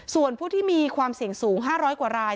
ส่วนผู้ที่มีความเสี่ยงสูง๕๐๐กว่าราย